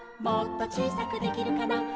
「もっとちいさくできるかな」